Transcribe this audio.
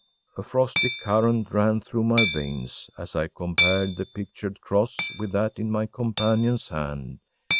A frosty current ran through my veins as I compared the pictured cross with that in my companion’s hand.